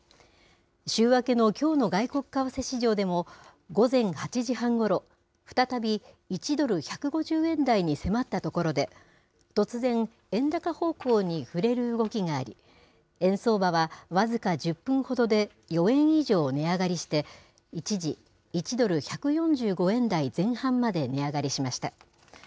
週明けのきょうの外国為替市場でも午前８時半ごろ、再び１ドル１５０円台に迫ったところで、突然、円高方向に振れる動きがあり、円相場は僅か１０分ほどで４円以上値上がりして、一時、１ドル１４５円台前半まで値上がりしました。